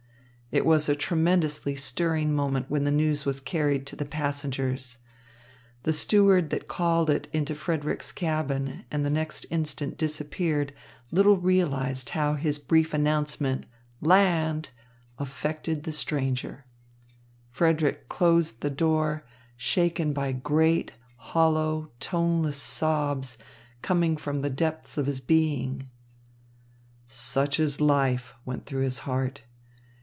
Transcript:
It was a tremendously stirring moment when the news was carried to the passengers. The steward that called it into Frederick's cabin and the next instant disappeared little realised how his brief announcement, "Land!" affected the stranger. Frederick closed the door, shaken by great, hollow, toneless sobs coming from the depths of his being. "Such is life," went through his heart.